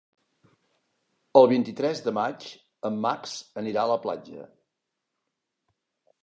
El vint-i-tres de maig en Max anirà a la platja.